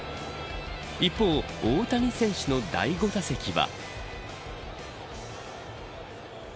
一方、大谷選手の第５打席は。